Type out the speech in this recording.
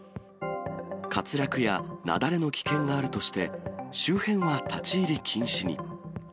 滑落や雪崩の危険があるとして、周辺は立ち入り禁止に。